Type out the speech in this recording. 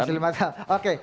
masih lima tahun oke